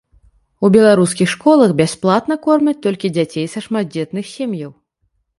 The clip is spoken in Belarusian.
У беларускіх школах бясплатна кормяць толькі дзяцей са шматдзетных сем'яў.